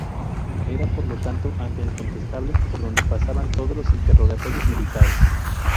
Era, por lo tanto, ante el condestable por donde pasaban todos los interrogatorios militares.